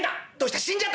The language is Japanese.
死んじゃった！？」。